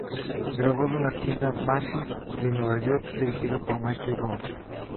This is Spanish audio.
Grabado en la tienda Macy's de Nueva York, dirigido por Michel Gondry.